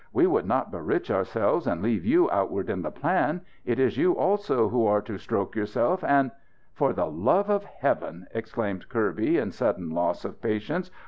We would not berich ourselves and leave you outward in the plan. It is you also who are to stroke yourself. And " "For the love of Heaven!" exclaimed Kirby in sudden loss of patience.